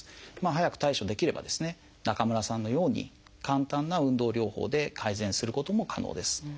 早く対処できればですね中村さんのように簡単な運動療法で改善することも可能です。